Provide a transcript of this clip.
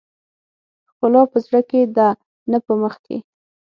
ښکلا په زړه کې ده نه په مخ کې .